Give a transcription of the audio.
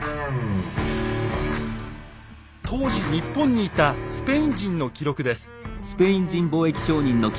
当時日本にいたスペイン人の記録です。